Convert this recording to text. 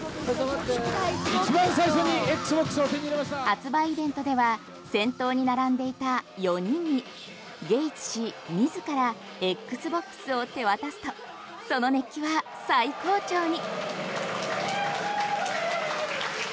発売イベントでは先頭に並んでいた４人にゲイツ氏自らＸｂｏｘを手渡すとその熱気は最高潮に。